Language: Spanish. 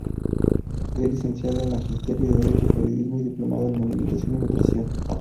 Es licenciado en Magisterio, Derecho, Periodismo y diplomado en Alimentación y Nutrición.